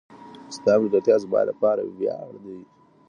ستا ملګرتیا زما لپاره وياړ دی.